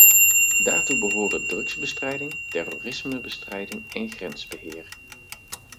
Daartoe behoren drugsbestrijding, terrorismebestrijding en grensbeheer.